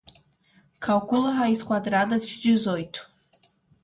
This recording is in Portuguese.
Calcula a raiz quadrada de dezoito